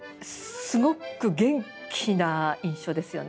すごく元気な印象ですよね。